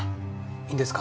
いいんですか？